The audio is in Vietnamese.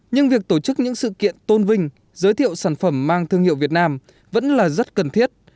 nhưng việc tổ chức những sự kiện tôn vinh giới thiệu sản phẩm mang thương hiệu việt nam vẫn là rất cần thiết